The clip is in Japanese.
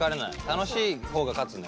楽しい方が勝つねこれ。